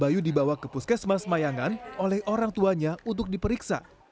bayu dibawa ke puskesmas mayangan oleh orang tuanya untuk diperiksa